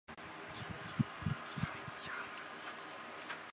挪威国王奥拉夫二世的妻子阿斯特里德是厄蒙德的同父同母妹妹。